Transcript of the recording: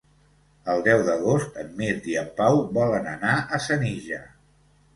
El deu d'agost en Mirt i en Pau volen anar a Senija.